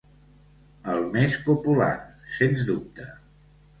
El més popular, sens dubte.